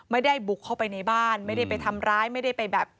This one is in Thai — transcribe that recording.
ไม่ได้บุกเข้าไปในบ้านไม่ได้ไปทำร้ายไม่ได้ไปแบบ